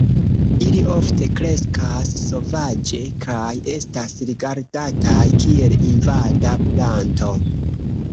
Ili ofte kreskas sovaĝe kaj estas rigardataj kiel invada planto.